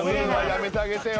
やめてあげてよ。